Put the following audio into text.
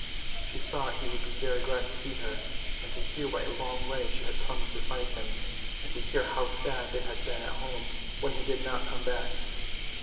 She thought he would be very glad to see her, and to hear what a long way she had come to find him, and to hear how sad they had all been at home when he did not come back.